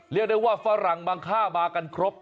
เรียกได้ว่าฝรั่งบางค่ามากันครบ